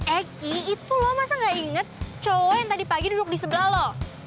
eki itu lo masa gak inget cowok yang tadi pagi duduk di sebelah lo